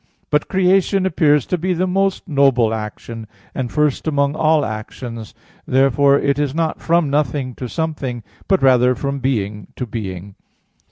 But creation appears to be the most noble action, and first among all actions. Therefore it is not from nothing to something, but rather from being to being.